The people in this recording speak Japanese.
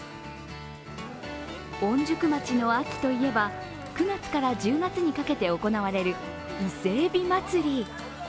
御宿町の秋といえば、９月から１０月にかけて行われる伊勢えび祭り。